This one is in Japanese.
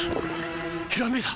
ひらめいた！